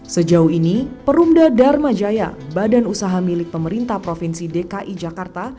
sejauh ini perumda dharma jaya badan usaha milik pemerintah provinsi dki jakarta